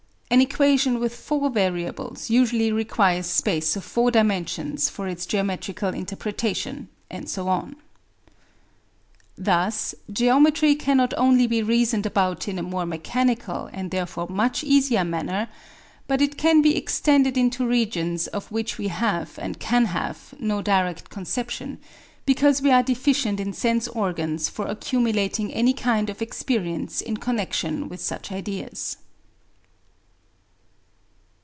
An equation with four variables usually requires space of four dimensions for its geometrical interpretation, and so on. Thus geometry can not only be reasoned about in a more mechanical and therefore much easier, manner, but it can be extended into regions of which we have and can have no direct conception, because we are deficient in sense organs for accumulating any kind of experience in connexion with such ideas.